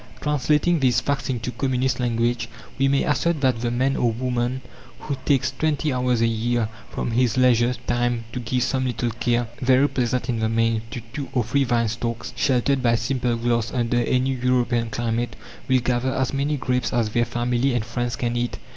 Translating these facts into communist language, we may assert that the man or woman who takes twenty hours a year from his leisure time to give some little care very pleasant in the main to two or three vine stalks sheltered by simple glass under any European climate, will gather as many grapes as their family and friends can eat.